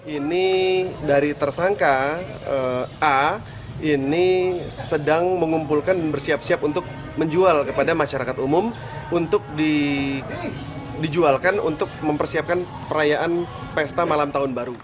ini dari tersangka a ini sedang mengumpulkan dan bersiap siap untuk menjual kepada masyarakat umum untuk dijualkan untuk mempersiapkan perayaan pesta malam tahun baru